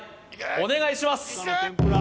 お願いします